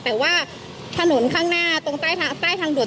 แต่ว่าถนนข้างหน้าตรงใต้ทางด่วน